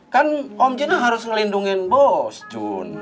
kan om jina harus ngelindungin bos jun